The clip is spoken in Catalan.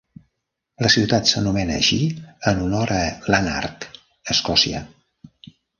La ciutat s'anomena així en honor a Lanark, Escòcia.